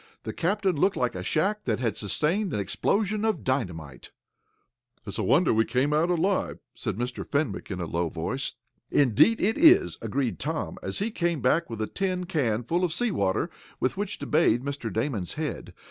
The cabin looked like a shack that had sustained an explosion of dynamite. "It's a wonder we came out alive," said Mr. Fenwick, in a low voice. "Indeed it is," agreed Tom, as he came back with a tin can full of sea water, with which to bathe Mr. Damon's head.